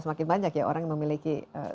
melakukan kita bisa menetapkan